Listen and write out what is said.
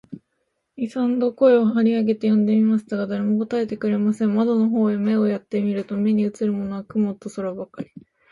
二三度声を張り上げて呼んでみましたが、誰も答えてくれません。窓の方へ目をやって見ると、目にうつるものは雲と空ばかり、